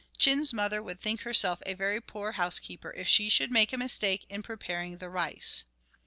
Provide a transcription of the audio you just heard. Chin's mother would think herself a very poor housekeeper if she should make a mistake in preparing the rice.